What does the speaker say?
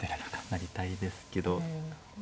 成りたいですけど。